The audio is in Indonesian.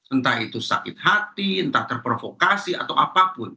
entah itu sakit hati entah terprovokasi atau apapun